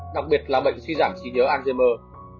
đặc biệt là bệnh suy giảm trí nhớ alzheimer